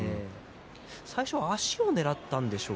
最初、まわしをねらったんでしょうか。